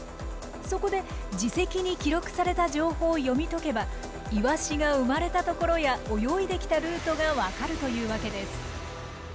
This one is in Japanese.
そこで耳石に記録された情報を読み解けばイワシが生まれたところや泳いできたルートがわかるというわけです。